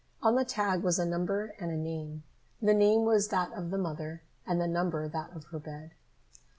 On the tag was a number and a name. The name was that of the mother, and the number that of her bed.